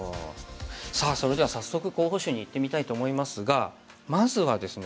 さあそれでは早速候補手にいってみたいと思いますがまずはですね